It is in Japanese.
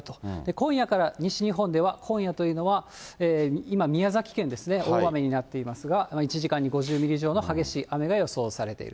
今夜から西日本では、今夜というのは、今、宮崎県ですね、大雨になっていますが、１時間に５０ミリ以上の激しい雨が予想されている。